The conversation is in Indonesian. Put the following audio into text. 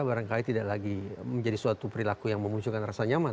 barangkali tidak lagi menjadi suatu perilaku yang memunculkan rasa nyaman